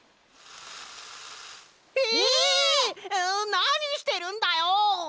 なにしてるんだよ！